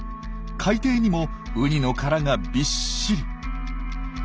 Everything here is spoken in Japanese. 海底にもウニの殻がびっしり。